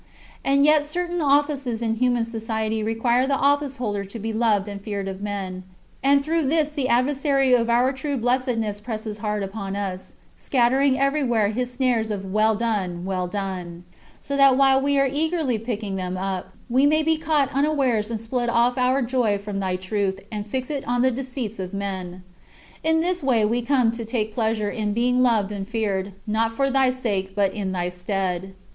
And yet certain offices in human society require the officeholder to be loved and feared of men, and through this the adversary of our true blessedness presses hard upon us, scattering everywhere his snares of "well done, well done"; so that while we are eagerly picking them up, we may be caught unawares and split off our joy from thy truth and fix it on the deceits of men. In this way we come to take pleasure in being loved and feared, not for thy sake but in thy stead.